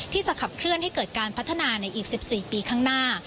ที่จะขับเคลื่อนให้เกิดการพัฒนาในอีก๑๔ปีข้างหน้า